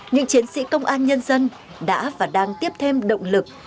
những chiến sĩ công an nhân dân đã và đang tiếp thêm động lực